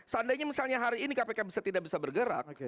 seandainya misalnya hari ini kpk tidak bisa bergerak